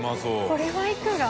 これはいくら？